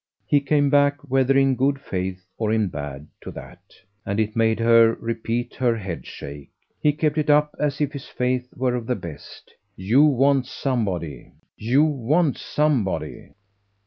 He came back, whether in good faith or in bad, to that; and it made her repeat her headshake. He kept it up as if his faith were of the best. "You want somebody, you want somebody."